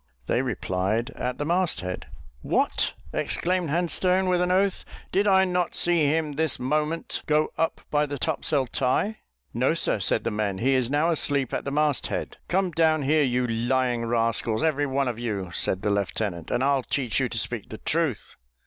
They replied at the mast head. "What!" exclaimed Handstone, with an oath; "did I not see him this moment, go up by the topsail tie?" "No, sir," said the men; "he is now asleep at the mast head." "Come down here, you lying rascals, every one of you," said the lieutenant, "and I'll teach you to speak the truth!"